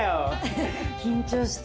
緊張した。